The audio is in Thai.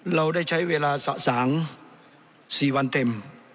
เราได้ใช้เวลาสะสาง๔วันเต็ม